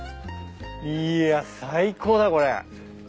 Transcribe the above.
いや最高だこれ。